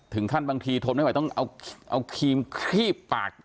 ถึงขั้นบางทีทนไม่ไหวต้องเอาครีมครีบปาก